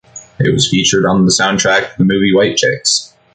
It was featured on the soundtrack of the movie, "White Chicks".